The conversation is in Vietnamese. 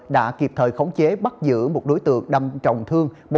đã kịp thời khống chế bắt giữ một đối tượng